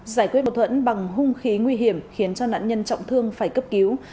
giải quyết mâu thuẫn bằng hung khí nguy hiểm khiến cho nạn nhân trọng thương phải cấp cứu